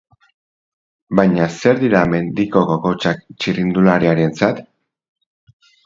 Baina zer dira mendiko kokotxak txirrindulariarentzat?